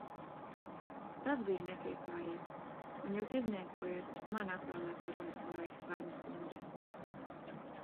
Tas bija nepieklājīgi, un jūs izniekojat man atvēlēto runas laiku, Harms kundze.